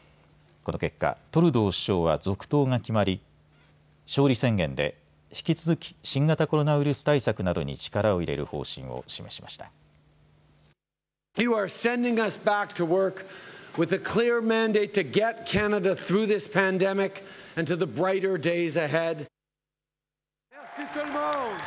この結果トルドー首相は続投が決まり勝利宣言で引き続き新型コロナウイルス対策などに力を入れる方針を示しました。